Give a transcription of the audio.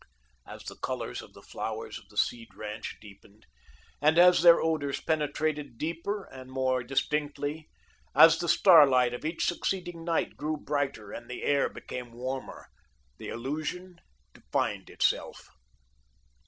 As the colours of the flowers of the Seed ranch deepened, and as their odours penetrated deeper and more distinctly, as the starlight of each succeeding night grew brighter and the air became warmer, the illusion defined itself.